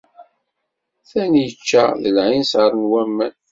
Tanicca d lɛinser n waman.